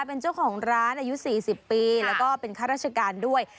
เป็นเจ้าของร้านอายุ๔๐ปีแล้วก็เป็นข้าราชการด้วย